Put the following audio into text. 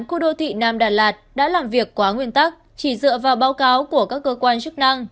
khu đô thị nam đà lạt đã làm việc quá nguyên tắc chỉ dựa vào báo cáo của các cơ quan chức năng